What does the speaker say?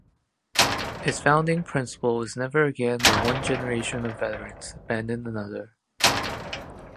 Its founding principle is Never again will one generation of veterans abandon another.